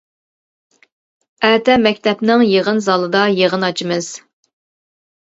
-ئەتە مەكتەپنىڭ يىغىن زالىدا يىغىن ئاچىمىز.